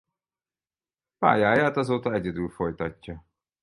Pályáját azóta egyedül folytatja.